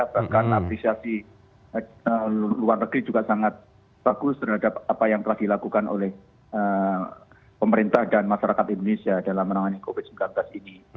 bahkan apresiasi luar negeri juga sangat bagus terhadap apa yang telah dilakukan oleh pemerintah dan masyarakat indonesia dalam menangani covid sembilan belas ini